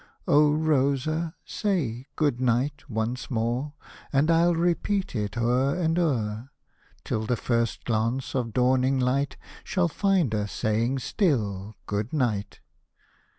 O Rosa, say " Good night !" once more, And ril repeat it o'er and o'er, Till the first glance of dawning light Shall find us saying still " Good night